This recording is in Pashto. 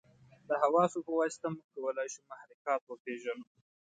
د حواسو په واسطه موږ کولای شو محرکات وپېژنو.